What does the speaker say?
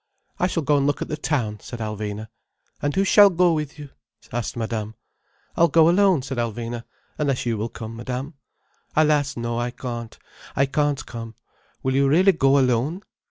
"I shall go and look at the town," said Alvina. "And who shall go with you?" asked Madame. "I will go alone," said Alvina, "unless you will come, Madame." "Alas no, I can't. I can't come. Will you really go alone?"